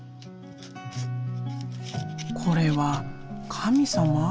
これは神様？